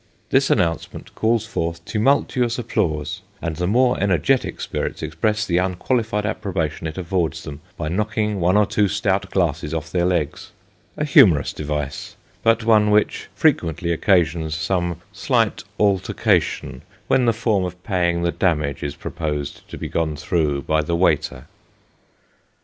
This announcement calls forth tumultuous applause, and the more energetic spirits express the un qualified approbation it affords them, by knocking one or two stout glasses off their legs a humorous device ; but one which frequently occasions some slight altercation when the form of paying the damage is proposed to be gone through by the waiter.